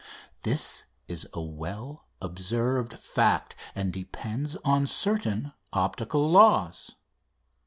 This is a well observed fact, and depends on certain optical laws.